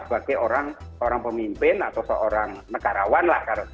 sebagai orang pemimpin atau seorang negarawan lah